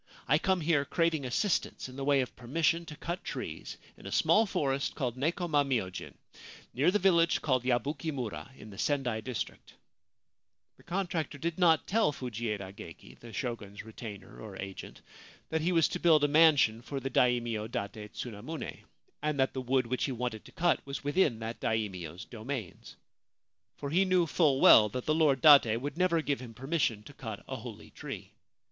I come here craving assistance in the way of permission to cut trees in a small forest called Nekoma myojin, near the village called Yabuki mura, in the Sendai district/ The contractor did not tell Fujieda Geki, the Shogun's retainer or agent, that he was to build a mansion for the Daimio Date Tsunamune, and that the wood which he wanted to cut was within that Daimio's domains. For he knew full well that the Lord Date would never give him permission to cut a holy tree.